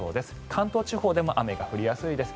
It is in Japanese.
関東地方でも雨が降りやすいです。